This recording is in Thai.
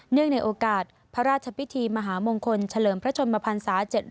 เนื่องในโอกาสพระราชพิธีมหามงคลเฉลิมพระชนมพันธุ์ศาสตร์